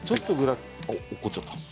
落っこっちゃった。